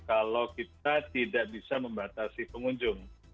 kalau kita tidak bisa membatasi pengunjung